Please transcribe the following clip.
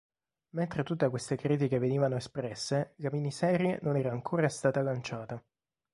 Mentre tutte queste critiche venivano espresse, la miniserie non era ancora stata lanciata.